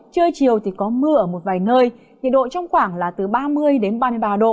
trưa chiều thì có mưa ở một vài nơi nhiệt độ trong khoảng là từ ba mươi đến ba mươi ba độ